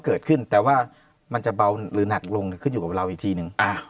เกิดขึ้นแต่ว่ามันจะเบาหรือหนักลงขึ้นอยู่กับเราอีกทีนึง